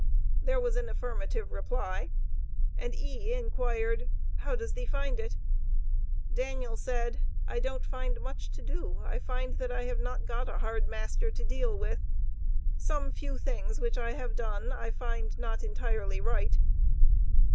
There was an affirmative reply, and E. inquired, "How does thee find it?" Daniel said: "I don't find much to do, I find that I have not got a hard master to deal with. Some few things which I have done, I find not entirely right."